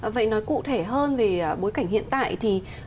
vậy nói cụ thể hơn về bối cảnh hiện tại